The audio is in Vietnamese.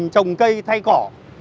trồng cây thay cỏ